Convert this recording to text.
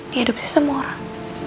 diadopsi sama orang